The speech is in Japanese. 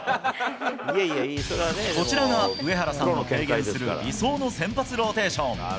こちらが上原さんが提言する理想の先発ローテーション。